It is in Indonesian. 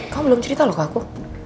kamu belum cerita loh ke aku